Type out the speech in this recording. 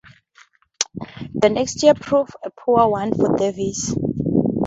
The next year proved a poor one for Davis.